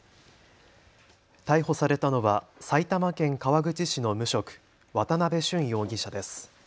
逮捕されたのは埼玉県川口市の無職、渡邉舜容疑者です。